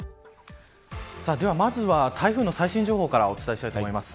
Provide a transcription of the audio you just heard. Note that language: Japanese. まずは台風の最新情報からお伝えします。